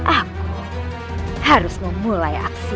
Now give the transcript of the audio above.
aku harus memulai aksi